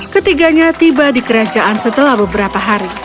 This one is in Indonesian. ketiganya tiba di kerajaan setelah beberapa hari